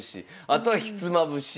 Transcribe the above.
あとはひつまぶし。